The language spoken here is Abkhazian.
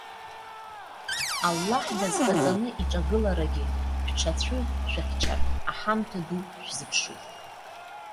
Аллаҳ дазхаҵаны иҿагыларагьы шәҽацәышәыхьчар аҳамҭа ду шәзыԥшуп.